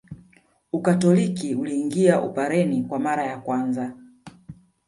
Ukatoliki uliingia Upareni kwa mara ya kwanza